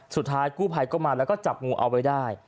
สุดท้ายกู้ภัยก็มาแล้วก็จับงูเอาไว้ได้